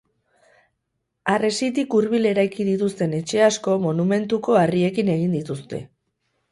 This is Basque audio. Harresitik hurbil eraiki dituzten etxe asko, monumentuko harriekin egin dituzte.